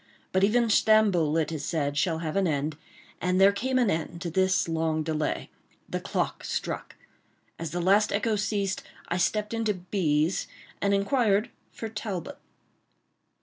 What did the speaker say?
But even Stamboul, it is said, shall have an end, and there came an end to this long delay. The clock struck. As the last echo ceased, I stepped into B——'s and inquired for Talbot.